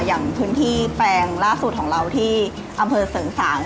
อย่างพื้นที่แปลงล่าสุดของเราที่อำเภอเสริงสาง